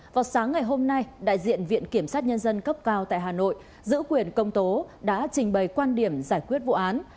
vào sáng ngày hôm nay đại diện viện kiểm sát nhân dân cấp cao tại hà nội giữ quyền công tố đã trình bày quan điểm giải quyết vụ án